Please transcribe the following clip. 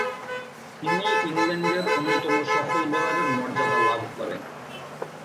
তিনি ইংল্যান্ডের অন্যতম সফল বোলারের মর্যাদা লাভ করেন।